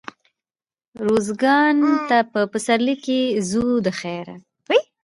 روزګان ته په پسرلي کښي ځو دخيره.